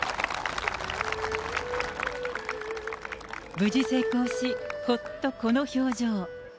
無事成功し、ほっとこの表情。